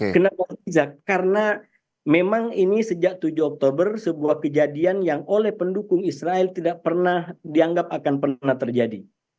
kenapa tidak karena memang ini sejak tujuh oktober sebuah kejadian yang oleh pendukung israel tidak pernah dianggap akan pernah terjadi